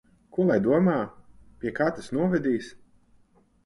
Ko lai domā? Pie kā tas novedīs?